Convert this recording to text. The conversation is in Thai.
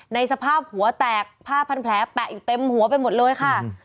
ในสภาพหัวแตกผ้าพันแผลแปะอยู่เต็มหัวไปหมดเลยค่ะ